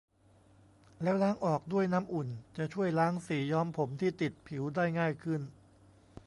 แล้วล้างออกด้วยน้ำอุ่น จะช่วยล้างสีย้อมผมที่ติดผิวได้ง่ายขึ้น